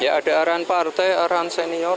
ya ada arahan partai arahan senior